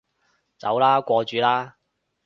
走啦，過主啦